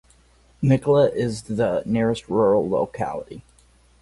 Nikola is the nearest rural locality.